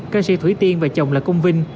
ca sĩ thủy tiên và chồng là công vinh